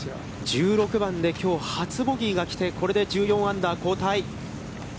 １６番できょう初ボギーが来て、これで１４アンダー、後退。